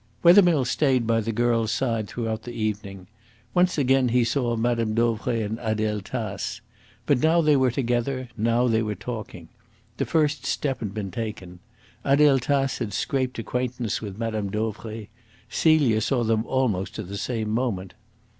Wethermill stayed by the girl's side throughout the evening. Once again he saw Mme. Dauvray and Adele Tace. But now they were together; now they were talking. The first step had been taken. Adele Tace had scraped acquaintance with Mme. Dauvray. Celia saw them almost at the same moment.